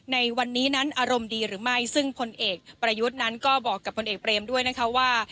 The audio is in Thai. ในวันนี้นั้นอารมณ์ดีหรือไม่ซึ่งพลเอกประยุทธ์นั้นก็บอกกับพลเอกเบรมด้วยนะคะว่า